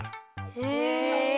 へえ。